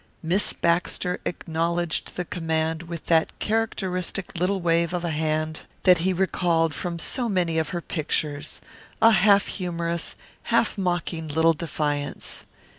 Miss Baxter acknowledged the command with that characteristic little wave of a hand that he recalled from so many of her pictures, a half humorous, half mocking little defiance.